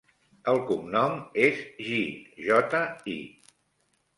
El cognom és Ji: jota, i.